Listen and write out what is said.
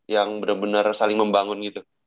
yang bener bener saling membangun gitu